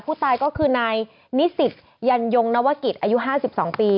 ผู้ตายก็คือนายนิสิตยันยงนวกิษอายุห้าสิบสองปี